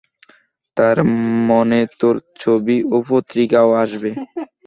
তার মানে তোর ছবি পত্রিকায়ও আসবে?